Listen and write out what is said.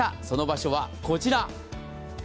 その場所はこちら。